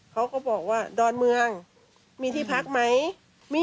เขาก็บอกว่าดอนเมืองมีที่พักไหม